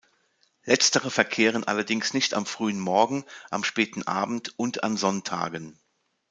Letztere verkehren allerdings nicht am frühen Morgen, am späten Abend und an Sonntagen.